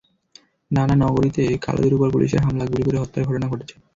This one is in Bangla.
নানা নগরীতে কালোদের ওপর পুলিশের হামলা, গুলি করে হত্যার ঘটনা ঘটেছে।